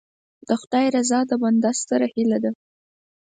د خدای رضا د بنده ستره هیله ده.